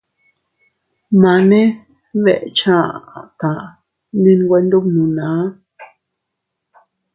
Mane deʼecha aʼa taa ndi nwe ndubnuna.